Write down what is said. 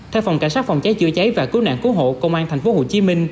theo phòng cảnh sát phòng cháy chữa cháy và cứu nạn cứu hộ công an tp hcm